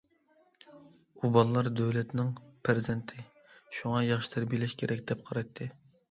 ئۇ بالىلار دۆلەتنىڭ پەرزەنتى، شۇڭا ياخشى تەربىيەلەش كېرەك، دەپ قارايتتى.